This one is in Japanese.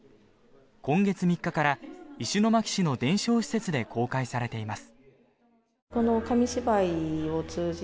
今月３日から石巻市の伝承施設で公開されています。